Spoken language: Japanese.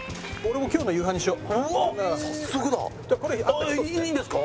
あっいいんですか？